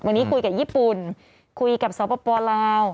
วันนี้คุยกับญี่ปุ่นคุยกับสปลาว